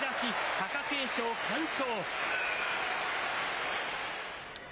貴景勝、快勝。